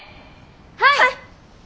はい！